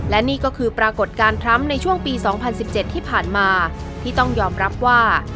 และนี่ก็คือปรากฏการณ์ทรัมป์ในช่วงปี๒๐๑๗ที่ผ่านมาที่ต้องยอมรับว่า